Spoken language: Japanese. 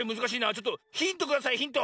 ちょっとヒントくださいヒント。